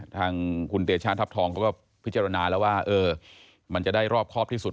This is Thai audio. ทางคุณเตชะทัพทองเขาก็พิจารณาแล้วว่ามันจะได้รอบครอบที่สุด